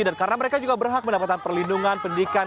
dan karena mereka juga berhak mendapatkan perlindungan pendidikan